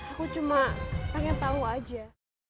aku cuma pengen tahu aja